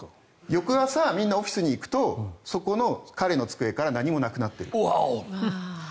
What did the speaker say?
翌朝オフィスに行くと彼の机から何もなくなっている。